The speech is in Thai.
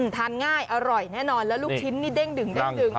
ทานง่ายอร่อยแน่นอนแล้วลูกชิ้นนี่เด้งดึงเด้งดึง